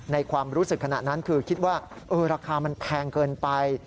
ความรู้สึกขณะนั้นคือคิดว่าราคามันแพงเกินไป